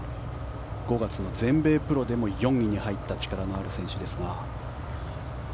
５月の全米プロでも４位に入った力のある選手ですが。